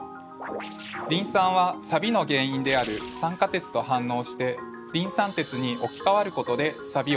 リン酸はサビの原因である酸化鉄と反応してリン酸鉄に置きかわることでサビを取ります。